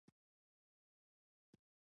پملا خپل نوم په څلورمه ګڼه کې بدل کړ.